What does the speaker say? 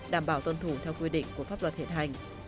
đảm bảo tuân thủ theo quy định của pháp luật hiện hành